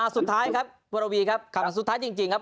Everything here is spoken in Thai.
สุดท้ายครับคุณวารวีครับสุดท้ายจริงครับ